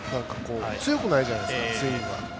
強くないじゃないですかスイングが。